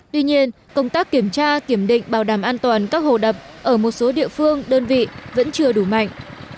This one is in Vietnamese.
tuy nhiên công tác kiểm tra kiểm định bảo đảm an toàn các hồ đập ở một số địa phương đơn vị vẫn chưa đủ mạnh